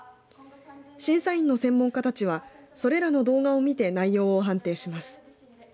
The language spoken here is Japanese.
審査員の専門家たちはそれらの動画を見て内容を判定します。